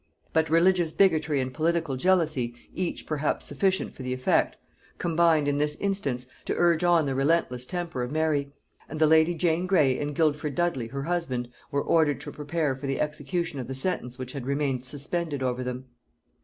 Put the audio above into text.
But religious bigotry and political jealousy, each perhaps sufficient for the effect, combined in this instance to urge on the relentless temper of Mary; and the lady Jane Grey and Guildford Dudley her husband were ordered to prepare for the execution of the sentence which had remained suspended over them.